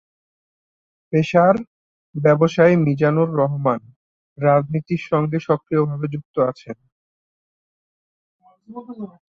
পেশার ব্যবসায়ী মিজানুর রহমান রাজনীতির সঙ্গে সক্রিয় ভাবে যুক্ত আছেন।